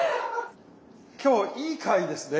今日いい回ですね。